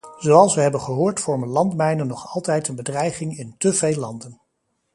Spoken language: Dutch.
Zoals we hebben gehoord vormen landmijnen nog altijd een bedreiging in te veel landen.